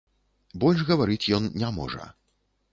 Больш гаварыць ён не можа.